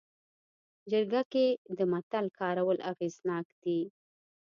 جرګه کې د متل کارول اغېزناک دي